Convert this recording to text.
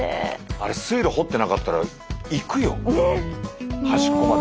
あれ水路掘ってなかったら行くよ端っこまで。